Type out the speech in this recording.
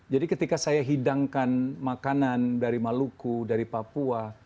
jadi ketika saya hidangkan makanan dari maluku dari papua